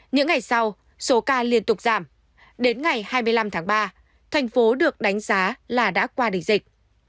những ngày sau số ca liên tục giảm đến ngày hai mươi năm tháng ba thành phố được đánh giá là đã qua đỉnh dịch